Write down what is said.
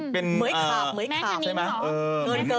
เหมือยขาบ